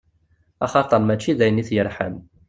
Axaṭer mačči dayen i t-yerḥan.